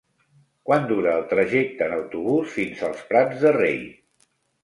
Quant dura el trajecte en autobús fins als Prats de Rei?